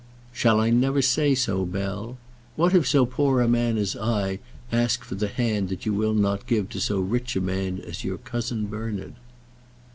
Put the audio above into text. "Shall I never say so, Bell? What if so poor a man as I ask for the hand that you will not give to so rich a man as your cousin Bernard?"